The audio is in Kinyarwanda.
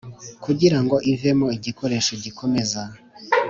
Kugirango ivemo igikoresho gikomeza